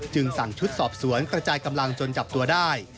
สั่งชุดสอบสวนกระจายกำลังจนจับตัวได้